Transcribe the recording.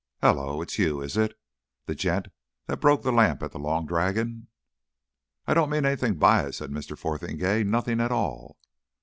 "Hullo! It's you, is it? The gent that broke the lamp at the Long Dragon!" "I don't mean anything by it," said Mr. Fotheringay. "Nothing at all."